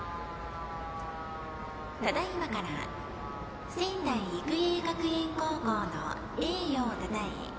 ただいまから仙台育英学園高校の栄誉をたたえ